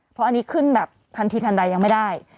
เพราะอันนี้ขึ้นแบบทันทีทันใดยังไม่ได้